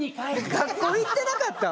学校行ってなかったん？